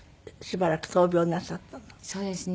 そうですね。